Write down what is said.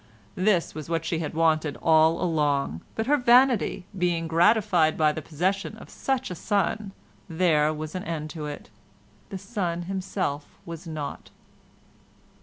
This was what she had wanted all along, but her vanity being gratified by the possession of such a son, there was an end of it; the son himself was naught.